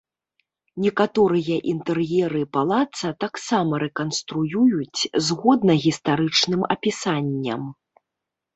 Некаторыя інтэр'еры палаца таксама рэканструююць згодна гістарычным апісанням.